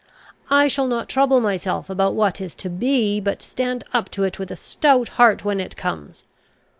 I shall not trouble myself about what is to be, but stand up to it with a stout heart when it comes.